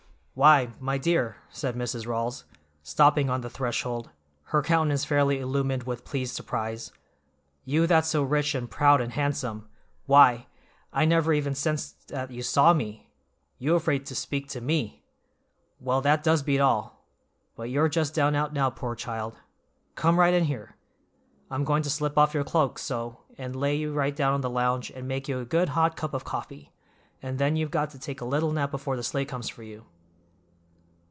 "Why, my dear!" said Mrs. Rawls, stopping on the threshold, her countenance fairly illumined with pleased surprise; "you that's so rich and proud and handsome—why, I never even sensed that you saw me. You afraid to speak to me! Well, that does beat all! But you're just done out now, poor child; come right in here! I'm going to slip off your cloak, so, and lay you right down on the lounge and make you a good hot cup of coffee, and then you've got to take a little nap before the sleigh comes for you."